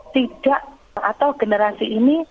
tidak atau generasi ini